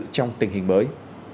trong tình hình mới